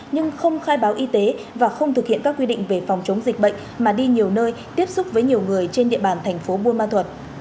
nhưng không khai báo y tế và không thực hiện các quy định về phòng chống dịch bệnh mà đi nhiều nơi tiếp xúc với nhiều người trên địa bàn thành phố buôn ma thuật